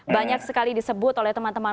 banyak sekali disebut oleh teman teman